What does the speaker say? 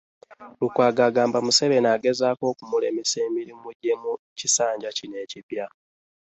Lukwago agamba Museveni agezaako kumulemesa emirimu gye mu kisanja kino ekipya